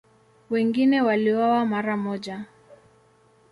Wengine waliuawa mara moja.